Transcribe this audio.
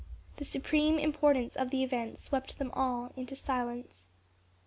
The supreme importance of the event swept them all into silence.